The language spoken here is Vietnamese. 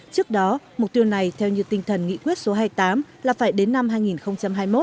trước đó mục tiêu này theo như tinh thần nghị quyết số hai mươi tám là phải đến năm hai nghìn hai mươi một